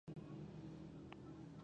راټولېدو او يا د سيلاب خطر موجود وي،